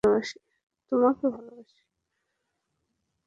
আমি ভেতরের তোমাকে ভালোবাসি।